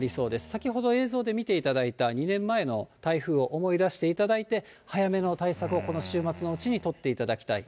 先ほど映像で見ていただいた、２年前の台風を思い出していただいて、早めの対策をこの週末のうちに取っていただきたい。